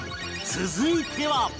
続いては